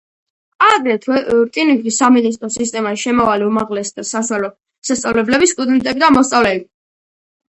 აგრეთვე, რკინიგზის სამინისტროს სისტემაში შემავალი უმაღლესი და საშუალო სასწავლებლების სტუდენტები და მოსწავლეები.